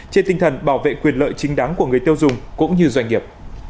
trên tinh thần bảo vệ quyền lợi chính đáng của người tiêu dùng cũng như doanh nghiệp